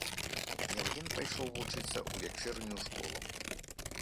Яўген пайшоў вучыцца ў вячэрнюю школу.